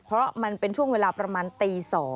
เพราะมันเป็นช่วงเวลาประมาณตี๒